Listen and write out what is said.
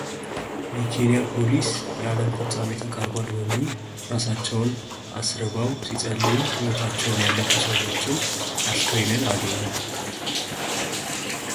የኬንያ ፖሊስ የዓለም ፍጻሜ ተቃርቧል በሚል እራሳቸውን አስርበው ሲጸልዩ ሕይወታቸው ያለፉ ሰዎችን አስክሬንን አገኘ።